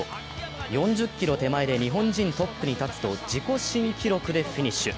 ４０ｋｍ手前で日本人トップに立つと自己新記録でフィニッシュ。